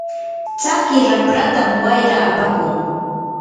tsaki rapratam wayra apakun.